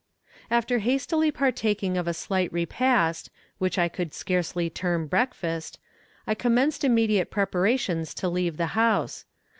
After hastily partaking of a slight repast, which I could scarcely term breakfast, I commenced immediate preparations to leave the house.